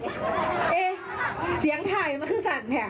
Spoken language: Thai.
เฮ้เสียงไทยมมมมคุสั่นน่ะ